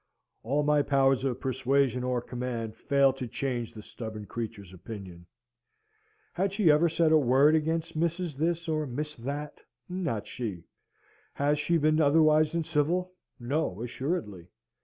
All my powers of persuasion or command fail to change the stubborn creature's opinion. Had she ever said a word against Mrs. This or Miss That? Not she! Has she been otherwise than civil? No, assuredly!